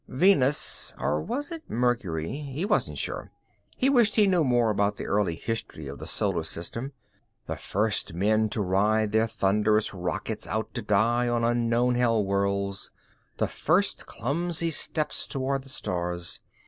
Venus or was it Mercury? He wasn't sure. He wished he knew more about the early history of the Solar System, the first men to ride their thunderous rockets out to die on unknown hell worlds the first clumsy steps toward the stars.